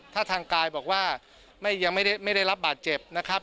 ถ้าทางกายบอกว่ายังไม่ได้รับบาดเจ็บนะครับ